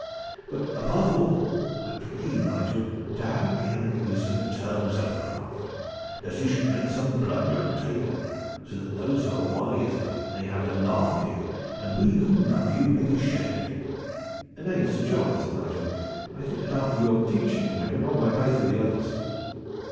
But above all I pray you, Nigel, to have a care in the use of the terms of the craft, lest you should make some blunder at table, so that those who are wiser may have the laugh of you, and we who love you may be shamed." "Nay, Sir John," said Nigel. "I think that after your teaching I can hold my place with the others."